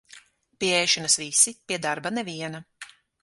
Pie ēšanas visi, pie darba neviena.